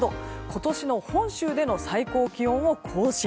今年の本州での最高気温を更新。